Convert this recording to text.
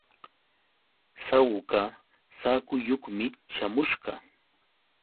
Sawka saakuyuqmi śhamusqa.